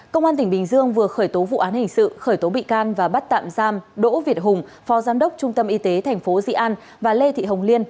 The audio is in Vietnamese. công an tỉnh bình dương vừa khởi tố vụ án hình sự khởi tố bị can và bắt tạm giam đỗ việt hùng phó giám đốc trung tâm y tế tp dị an và lê thị hồng liên